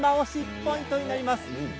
ポイントになります。